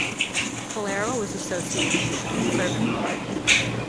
Calero was associated with the Conservative Party.